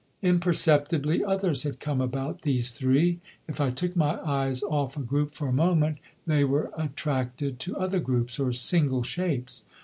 Imperceptibly others had come about these three. If I took my eyes off a group for a moment they were attracted to other groups or single shapes.